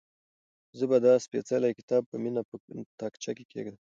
زه به دا سپېڅلی کتاب په مینه په تاقچه کې کېږدم.